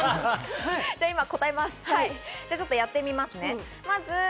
じゃ、ちょっとやってみますね。